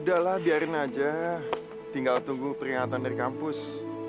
udah lah biarin aja tinggal tunggu peringatan dari kampus